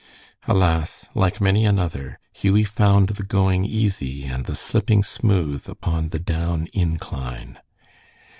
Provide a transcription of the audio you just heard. Alas! like many another, Hughie found the going easy and the slipping smooth upon the down incline.